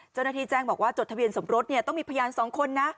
เจ้าหน้าที่แจ้งบอกว่าจดทะเบียนสมรสเนี่ยต้องมีพยาน๒คนนะ